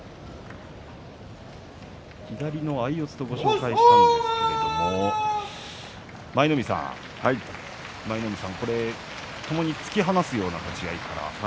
左の相四つとご紹介したんですが舞の海さんともに突き放すような立ち合いから。